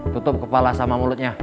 tutup kepala sama mulutnya